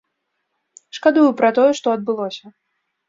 Шкадую пра тое, што адбылося.